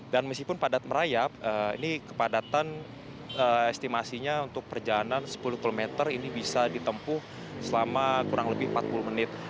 dan meskipun padat merayap ini kepadatan estimasinya untuk perjalanan sepuluh km ini bisa ditempuh selama kurang lebih empat puluh menit